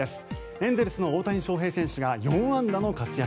エンゼルスの大谷翔平選手が４安打の活躍。